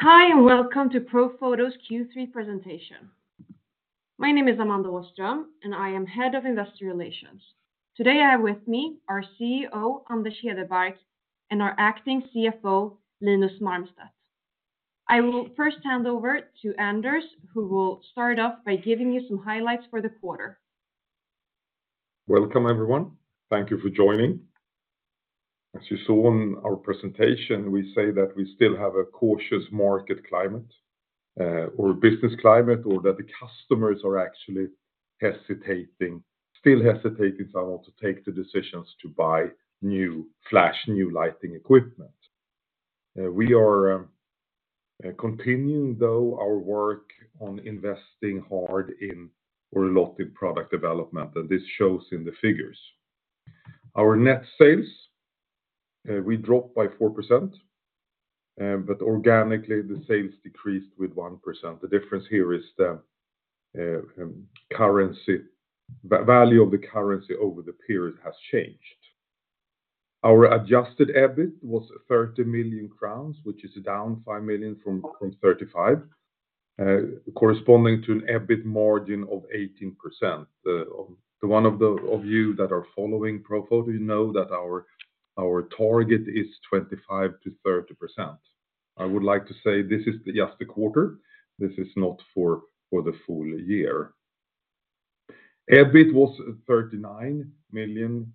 Hi, and welcome to Profoto's Q3 presentation. My name is Amanda Åström, and I am Head of Investor Relations. Today, I have with me our CEO, Anders Hedebark, and our acting CFO, Linus Marmstedt. I will first hand over to Anders, who will start off by giving you some highlights for the quarter. Welcome, everyone. Thank you for joining. As you saw on our presentation, we say that we still have a cautious market climate, or business climate, or that the customers are actually hesitating, still hesitating if I want to take the decisions to buy new flash, new lighting equipment. We are continuing, though, our work on investing hard in or a lot in product development, and this shows in the figures. Our net sales, we dropped by 4%, but organically, the sales decreased with 1%. The difference here is the currency. But value of the currency over the period has changed. Our adjusted EBIT was 30 million crowns, which is down 5 million SEK from 35 million SEK, corresponding to an EBIT margin of 18%. The one of you that are following Profoto, you know that our target is 25%-30%. I would like to say this is just a quarter, this is not for the full year. EBIT was SEK 39 million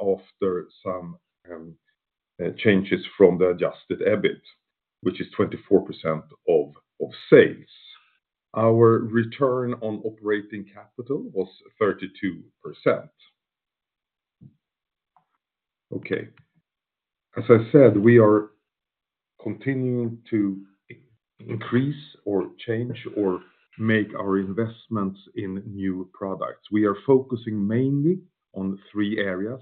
after some changes from the adjusted EBIT, which is 24% of sales. Our return on operating capital was 32%. Okay, as I said, we are continuing to increase or change or make our investments in new products. We are focusing mainly on three areas.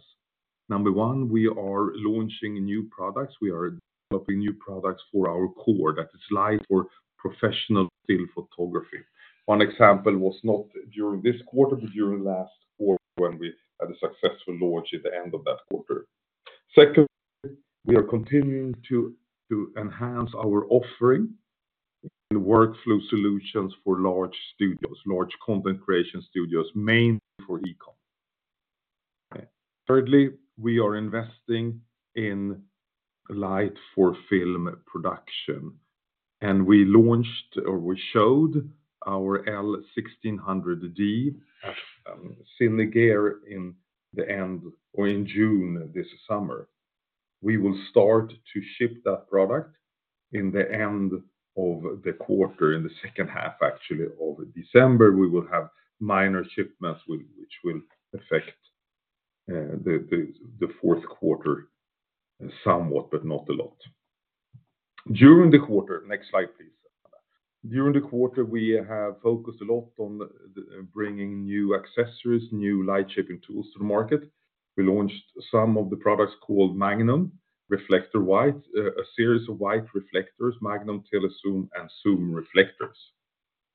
Number one, we are launching new products. We are developing new products for our core, that is lights for professional still photography. One example was not during this quarter, but during last quarter, when we had a successful launch at the end of that quarter. Second, we are continuing to enhance our offering in workflow solutions for large studios, large content creation studios, mainly for e-com. Thirdly, we are investing in light for film production, and we launched or we showed our L1600D cine gear in the end or in June this summer. We will start to ship that product in the end of the quarter, in the second half, actually, of December, we will have minor shipments, which will affect the fourth quarter somewhat, but not a lot. During the quarter- next slide, please. During the quarter, we have focused a lot on bringing new accessories, new light shaping tools to the market. We launched some of the products called Magnum Reflector White, a series of white reflectors, Magnum, TeleZoom and Zoom reflectors.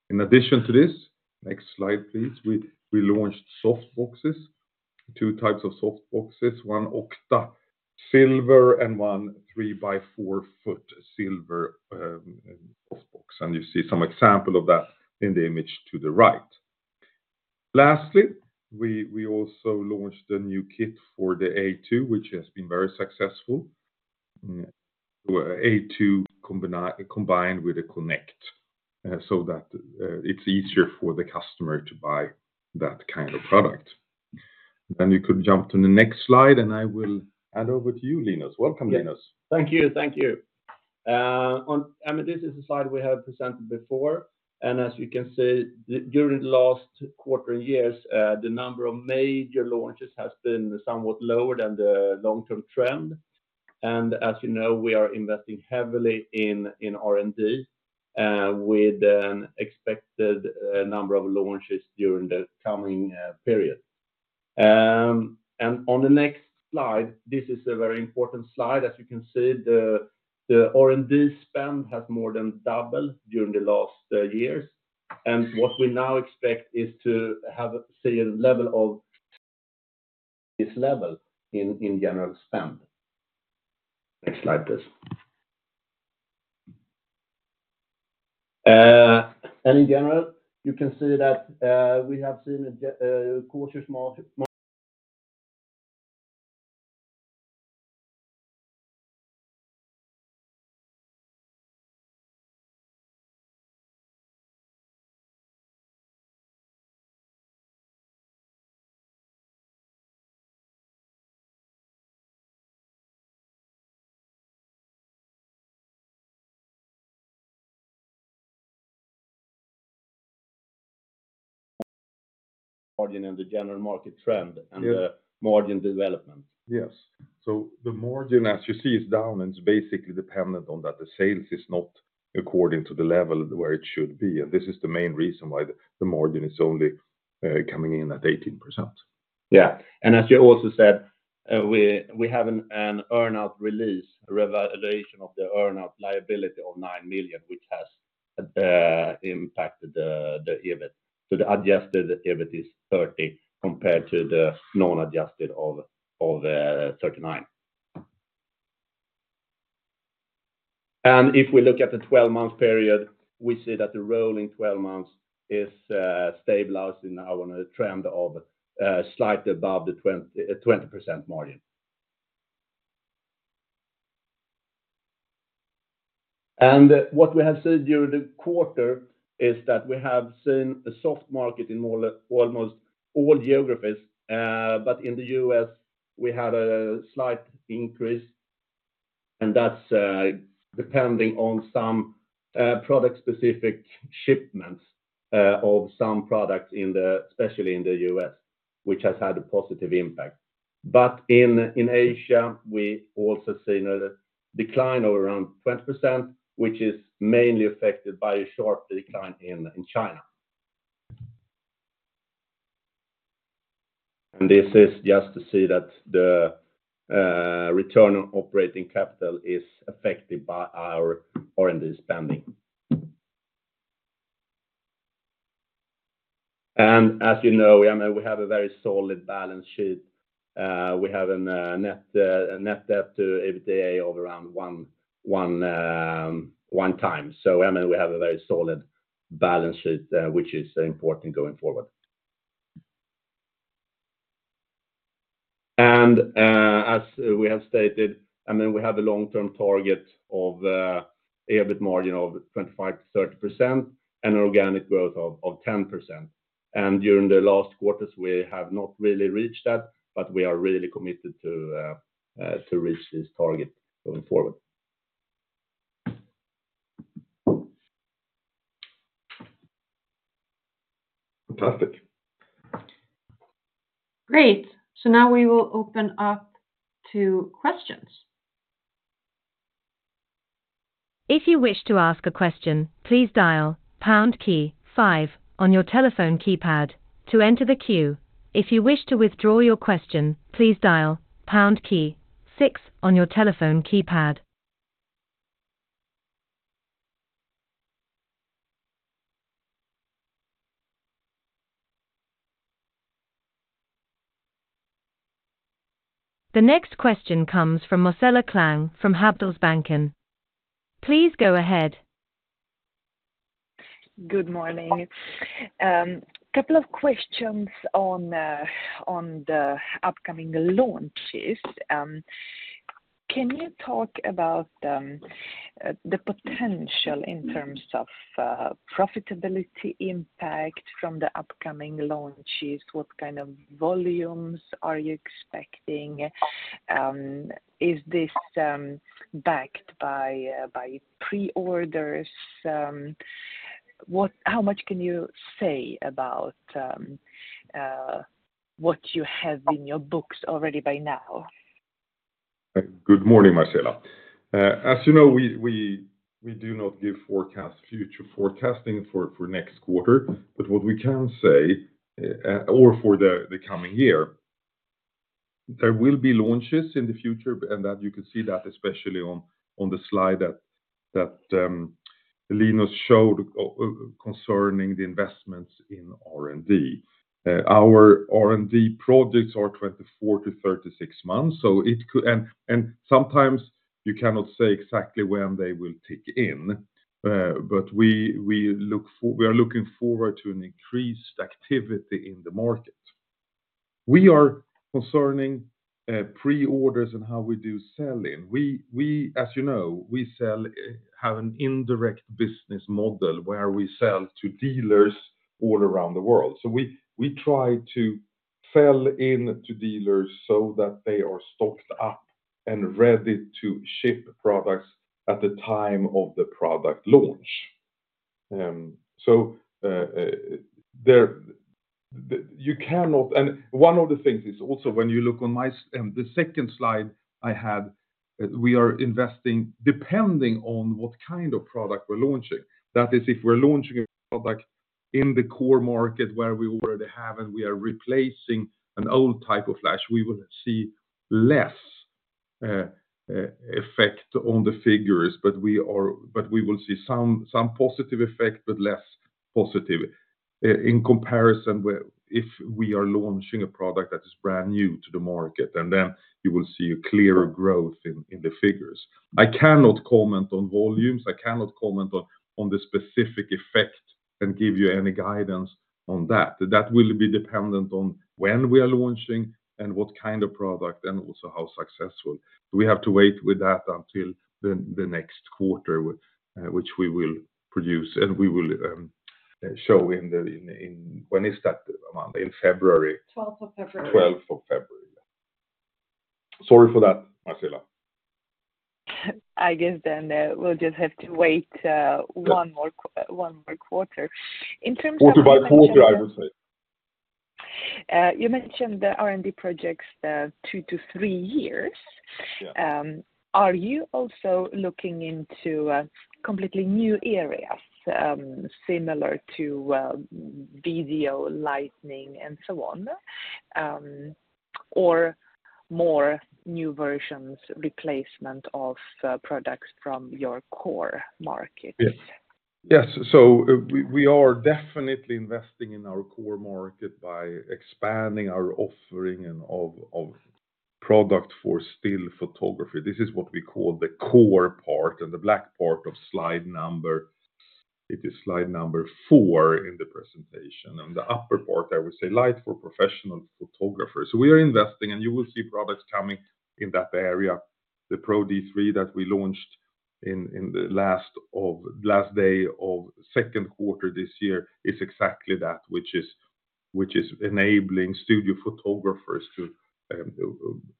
In addition to this, next slide, please. We launched softboxes, two types of softboxes, one Octa Silver and one three-by-four-foot silver softbox, and you see some example of that in the image to the right. Lastly, we also launched a new kit for the A2, which has been very successful. A2 combined with a Connect, so that it's easier for the customer to buy that kind of product. Then you could jump to the next slide, and I will hand over to you, Linus. Welcome, Linus. Thank you. Thank you. I mean, this is a slide we have presented before, and as you can see, during the last quarter years, the number of major launches has been somewhat lower than the long-term trend. As you know, we are investing heavily in R&D, with an expected number of launches during the coming period. And on the next slide, this is a very important slide. As you can see, the R&D spend has more than doubled during the last years, and what we now expect is to have, say, a level of this level in general spend. Next slide, please. In general, you can see that we have seen a cautious market margin and the general market trend. Yeah. - and the margin development. Yes. So the margin, as you see, is down, and it's basically dependent on that. The sales is not according to the level where it should be, and this is the main reason why the margin is only coming in at 18%. Yeah. And as you also said, we have an earn-out release, revaluation of the earn-out liability of 9 million, which has impacted the EBIT. So the adjusted EBIT is 30 compared to the non-adjusted of 39. And if we look at the 12-month period, we see that the rolling 12 months is stabilizing now on a trend of slightly above a 20% margin. And what we have seen during the quarter is that we have seen a soft market in more or almost all geographies. But in the US, we had a slight increase, and that's depending on some product-specific shipments of some products especially in the US, which has had a positive impact. But in Asia, we also see another decline of around 20%, which is mainly affected by a sharp decline in China. And this is just to see that the return on operating capital is affected by our R&D spending. And as you know, I mean, we have a very solid balance sheet. We have a net debt to EBITDA of around one time. So, I mean, we have a very solid balance sheet, which is important going forward. And, as we have stated, I mean, we have a long-term target of EBIT margin of 25%-30% and organic growth of 10%. And during the last quarters, we have not really reached that, but we are really committed to reach this target going forward. Fantastic. Great. So now we will open up to questions. If you wish to ask a question, please dial pound key five on your telephone keypad to enter the queue. If you wish to withdraw your question, please dial pound key six on your telephone keypad. The next question comes from Marcela Klang from Handelsbanken. Please go ahead. Good morning. Couple of questions on the upcoming launches. Can you talk about the potential in terms of profitability impact from the upcoming launches? What kind of volumes are you expecting? Is this backed by pre-orders? How much can you say about what you have in your books already by now? Good morning, Marcela. As you know, we do not give forecast, future forecasting for next quarter. But what we can say, or for the coming year, there will be launches in the future, and that you can see that especially on the slide that Linus showed, concerning the investments in R&D. Our R&D projects are twenty-four to thirty-six months, so it could... and sometimes you cannot say exactly when they will kick in, but we are looking forward to an increased activity in the market. We are concerning pre-orders and how we do selling. As you know, we have an indirect business model where we sell to dealers all around the world. So we try to sell in to dealers so that they are stocked up and ready to ship products at the time of the product launch. You cannot-- and one of the things is also when you look on the second slide I had, we are investing depending on what kind of product we're launching. That is, if we're launching a product in the core market where we already have, and we are replacing an old type of flash, we will see less effect on the figures, but we will see some positive effect, but less positive. In comparison with if we are launching a product that is brand new to the market, and then you will see a clearer growth in the figures. I cannot comment on volumes. I cannot comment on the specific effect and give you any guidance on that. That will be dependent on when we are launching, and what kind of product, and also how successful. We have to wait with that until the next quarter, which we will produce, and we will show in the... When is that, Amanda? In February. Twelfth of February. Twelfth of February. Sorry for that, Marcela. I guess then, we'll just have to wait. Yeah... one more quarter. In terms of- Quarter by quarter, I would say. You mentioned the R&D projects, two to three years. Yeah. Are you also looking into completely new areas similar to video lighting and so on? Or more new versions, replacement of products from your core markets? Yes, yes. So we are definitely investing in our core market by expanding our offering and of product for still photography. This is what we call the core part and the black part of slide number- it is slide number four in the presentation, on the upper part, I would say, light for professional photographers. So we are investing, and you will see products coming in that area. The Pro-D3 that we launched in the last day of second quarter this year is exactly that, which is enabling studio photographers to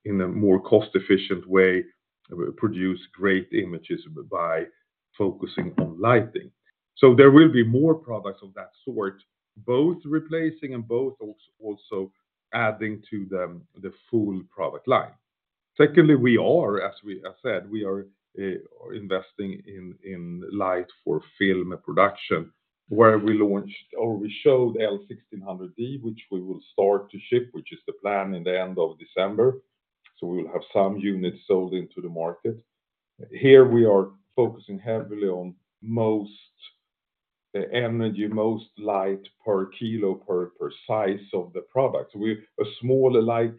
in a more cost-efficient way produce great images by focusing on lighting. So there will be more products of that sort, both replacing and also adding to them, the full product line. Secondly, as we said, we are investing in light for film production, where we launched or we showed L1600D, which we will start to ship, which is the plan in the end of December, so we will have some units sold into the market. Here, we are focusing heavily on the most energy, most light per kilo per size of the product. We've a smaller light,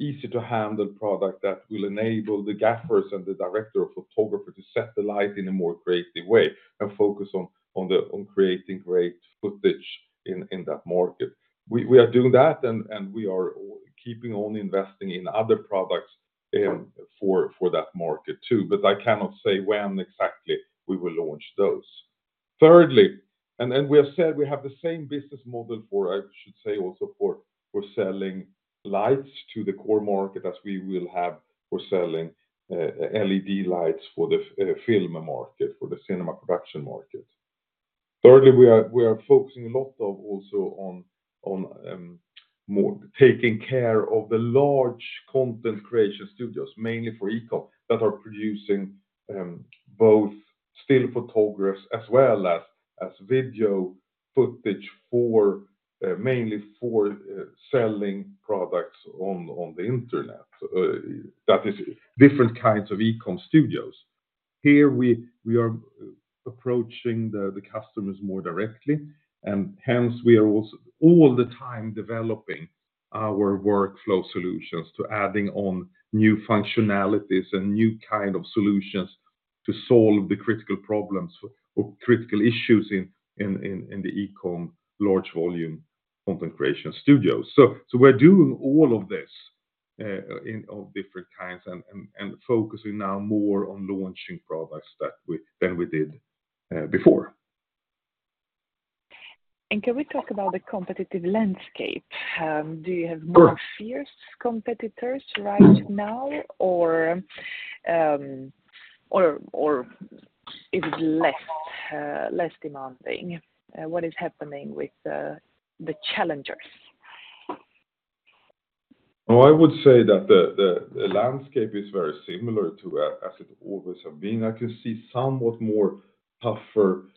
easy-to-handle product that will enable the gaffers and the director of photography to set the light in a more creative way and focus on creating great footage in that market. We are doing that, and we are keeping on investing in other products for that market, too. But I cannot say when exactly we will launch those. Thirdly, and we have said we have the same business model for, I should say, also for selling lights to the core market as we will have for selling LED lights for the film market, for the cinema production market. Thirdly, we are focusing a lot also on more taking care of the large content creation studios, mainly for e-com, that are producing both still photographs as well as video footage for mainly for selling products on the internet, that is different kinds of e-com studios. Here, we are approaching the customers more directly, and hence, we are also all the time developing our workflow solutions to adding on new functionalities and new kind of solutions to solve the critical problems or critical issues in the e-com large volume content creation studios. So we're doing all of this in of different kinds and focusing now more on launching products that we than we did before. Can we talk about the competitive landscape? Do you have- Sure. -more fierce competitors right now? Or, or is it less demanding? What is happening with the challengers? I would say that the landscape is very similar to as it always have been. I can see somewhat more tougher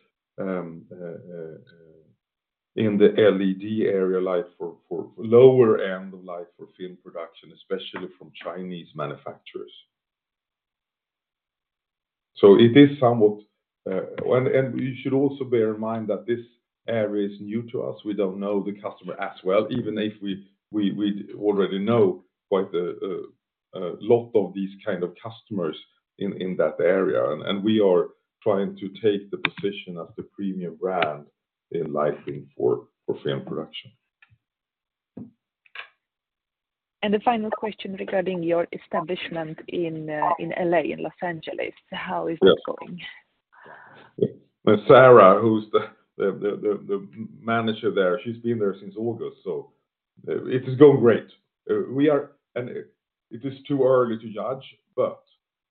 in the LED area, like for lower end, like for film production, especially from Chinese manufacturers. So it is somewhat, and you should also bear in mind that this area is new to us. We don't know the customer as well, even if we already know quite a lot of these kind of customers in that area. And we are trying to take the position as the premium brand in lighting for film production. The final question regarding your establishment in LA, in Los Angeles. Yes. How is it going? Sarah, who's the manager there, she's been there since August, so it is going great, and it is too early to judge, but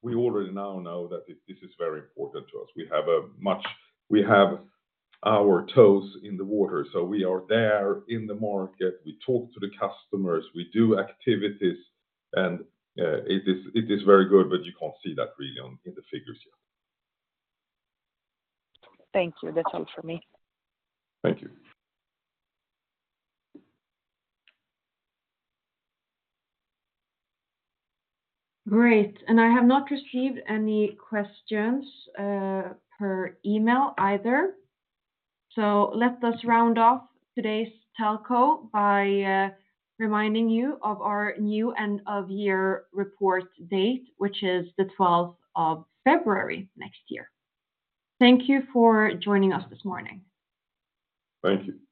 we already now know that this is very important to us. We have our toes in the water, so we are there in the market. We talk to the customers, we do activities, and it is very good, but you can't see that really in the figures yet. Thank you. That's all for me. Thank you. Great. And I have not received any questions per email either. So let us round off today's telco by reminding you of our new end-of-year report date, which is the twelfth of February next year. Thank you for joining us this morning. Thank you.